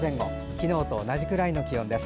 昨日と同じぐらいの気温です。